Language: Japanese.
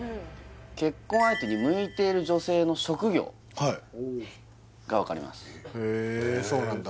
結婚相手に向いている女性の職業が分かりますへえそうなんだ